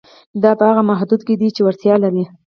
دا په هغه محدوده کې ده چې وړتیا لري.